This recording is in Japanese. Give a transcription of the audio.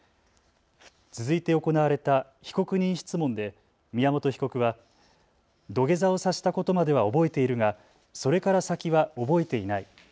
続いて行われた被告人質問で宮本被告は、土下座をさせたことまでは覚えているがそれから先は覚えていない。